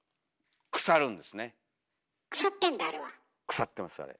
腐ってますあれ。